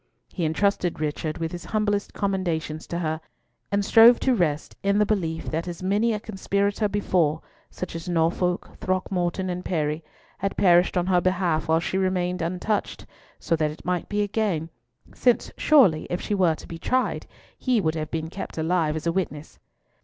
He entrusted Richard with his humblest commendations to her, and strove to rest in the belief that as many a conspirator before—such as Norfolk, Throckmorton, Parry—had perished on her behalf while she remained untouched, that so it might again be, since surely, if she were to be tried, he would have been kept alive as a witness.